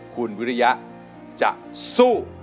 คุณวิริยะจะสู้